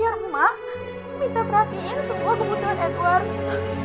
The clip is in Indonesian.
biar mami bisa perhatiin semua kebutuhan edward